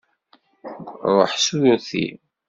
Ruḥ s urti.